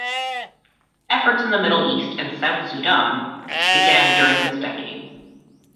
Efforts in the Middle East and South Sudan began during this decade.